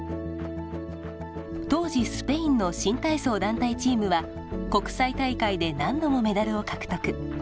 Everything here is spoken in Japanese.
当時スペインの新体操団体チームは国際大会で何度もメダルを獲得。